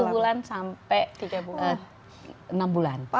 satu bulan sampai enam bulan